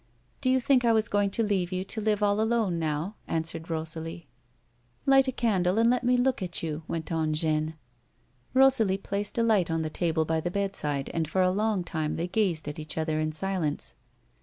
" Do you think I was going to leave you to live all alone now 1 " answered Rosalie. " Light a candle and let me look at you," went on Jeanne. Rosalie placed a light on the table by the bedside, and for a long time they gazed at each other in silence.